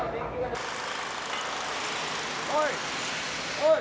おい。